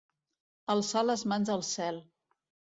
Alçar les mans al cel.